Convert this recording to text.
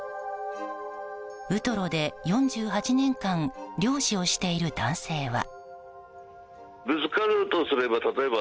ウトロで４８年間漁師をしている男性は。